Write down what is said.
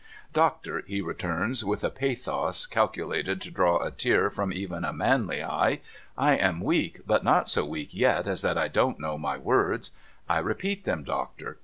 ' Doctor,' he returns, with a pathos calculated to draw a tear from even a manly eye, ' I am weak, but not so weak yet as that I don't know my words. I repeat them. Doctor.